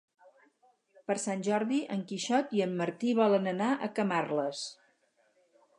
Per Sant Jordi en Quixot i en Martí volen anar a Camarles.